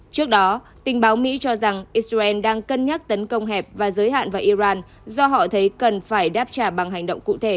trước đó tình báo mỹ cho rằng israel đang cân nhắc tấn công hẹp và giới hạn vào iran do họ thấy cần phải đáp trả bằng hành động cụ thể